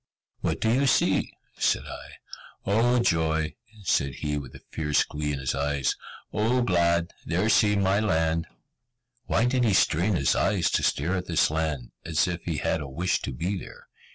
"What do you see?" said I. "Oh joy!" said he, with a fierce glee in his eyes, "Oh glad! There see my land!" Why did he strain his eyes to stare at this land, as if he had a wish to be there?